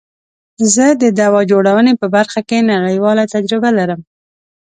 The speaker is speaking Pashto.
زه د دوا جوړونی په برخه کی نړیواله تجربه لرم.